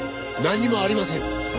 何もありません。